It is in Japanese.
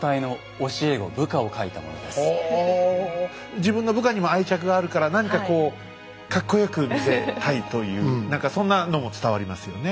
自分の部下にも愛着があるから何かこうかっこよく見せたいという何かそんなのも伝わりますよね。